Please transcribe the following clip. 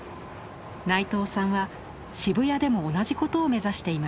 内藤さんは渋谷でも同じことを目指しています。